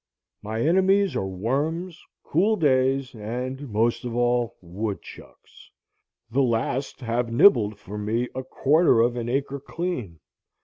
My enemies are worms, cool days, and most of all woodchucks. The last have nibbled for me a quarter of an acre clean.